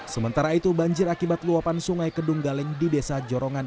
sementara itu banjir akibat luapan sungai kedunggaleng di desa jorongan